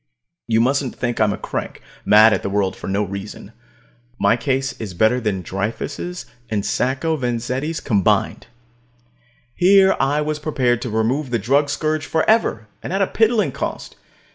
You mustn't think I'm a crank, mad at the world for no reason. My case is better than Dreyfus' and Sacco Vanzetti's combined. Here I was prepared to remove the drug scourge forever, and at a piddling cost.